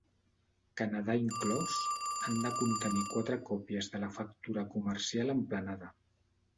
Canadà inclòs, han de contenir quatre còpies de la factura comercial emplenada.